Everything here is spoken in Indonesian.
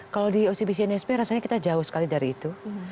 kalau di ocbc nsp rasanya kita jauh sekali dari itu